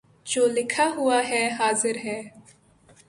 جو لکھا ہوا ہے حاضر ہے